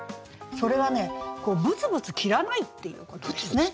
それはねこうブツブツ切らないっていうことですね。